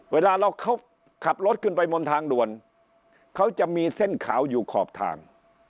เวลาเราเขาขับรถขึ้นไปบนทางด่วนเขาจะมีเส้นขาวอยู่ขอบทาง